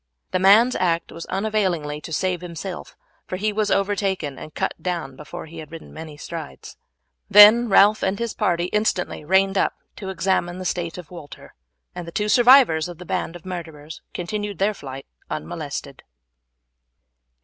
The man's act was unavailing to save himself, for he was overtaken and cut down before he had ridden many strides; then Ralph and his party instantly reined up to examine the state of Walter, and the two survivors of the band of murderers continued their flight unmolested.